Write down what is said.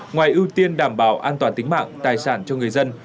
ngoài ưu tiên đảm bảo an toàn tính mạng tài sản cho người dân